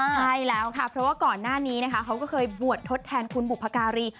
ใช่แล้วเพราะว่าก่อนหน้านี้เขาเคยบวชทศแทนคุณบุภกาย